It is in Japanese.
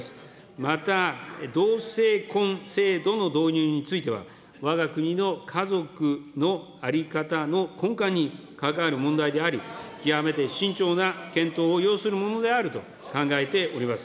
また、同性婚制度の導入については、わが国の家族の在り方の根幹に関わる問題であり、極めて慎重な検討を要するものであると考えております。